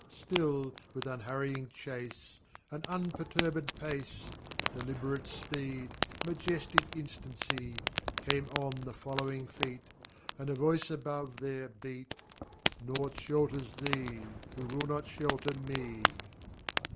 Still with unhurrying chase, And unperturb├©d pace, Deliberate speed, majestic instancy, Came on the following Feet, And a Voice above their beatŌĆö ŌĆśNaught shelters thee, who wilt not shelter Me.